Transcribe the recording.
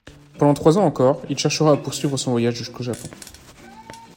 Pendant trois ans encore, il cherchera à poursuivre son voyage jusqu’au Japon.